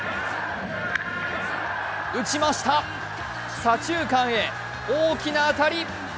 打ちました、左中間へ大きな当たり。